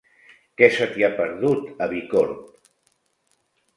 Què se t'hi ha perdut, a Bicorb?